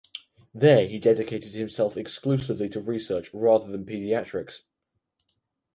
There he dedicated himself exclusively to research rather than paediatrics.